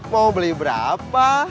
mau beli berapa